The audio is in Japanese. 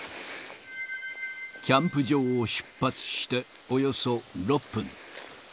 キャンプ場を出発しておよそ６分。